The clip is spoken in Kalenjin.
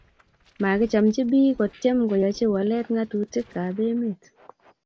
makichamchi biik kotiem koyachi walet ngatutik ab emet